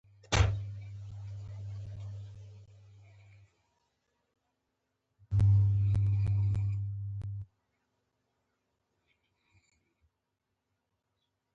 زه به هرڅه خداى ته پرېږدم.